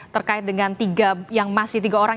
terkait dengan tiga yang masih tiga orang